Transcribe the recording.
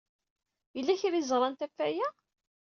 Yella kra ay ẓrant ɣef waya?